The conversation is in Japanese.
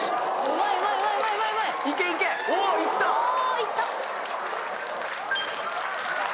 おいった！